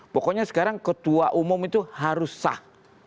pokoknya sekarang ketua umum itu harus sah